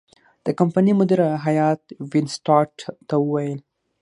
د کمپنۍ مدیره هیات وینسیټارټ ته وویل.